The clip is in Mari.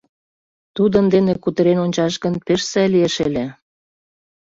«Тудын дене кутырен ончаш гын, пеш сай лиеш ыле.